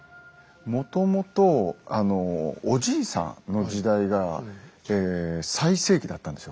もともとおじいさんの時代が最盛期だったんですよ